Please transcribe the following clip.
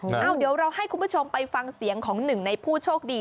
เดี๋ยวเราให้คุณผู้ชมไปฟังเสียงของหนึ่งในผู้โชคดี